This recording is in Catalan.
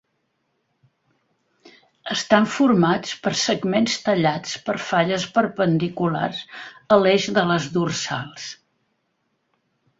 Estan formats per segments tallats per falles perpendiculars a l'eix de les dorsals.